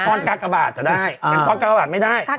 โค้นกากะบาทก็ได้แต่นั่นไม่ได้